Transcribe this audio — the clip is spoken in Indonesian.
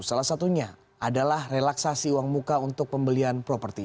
salah satunya adalah relaksasi uang muka untuk pembelian properti